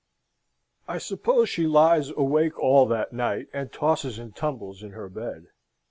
I suppose she lies awake all that night, and tosses and tumbles in her bed.